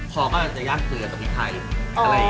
พอก็จะยากเกลือตรงที่ท้ายเลย